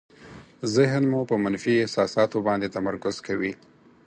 ذهن مو په منفي احساساتو باندې تمرکز کوي.